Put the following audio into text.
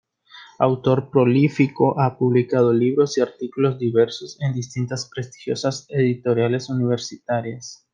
Autor prolífico, ha publicado libros y artículos diversos en distintas prestigiosas editoriales universitarias.